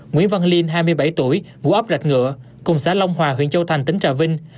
nguyễn văn linh hai mươi bảy tuổi ngụ ấp rạch ngựa cùng xã long hòa huyện châu thành tỉnh trà vinh